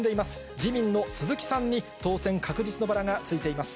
自民の鈴木さんに当選確実のバラがついています。